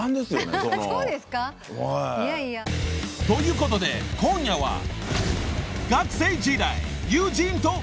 ［ということで今夜は］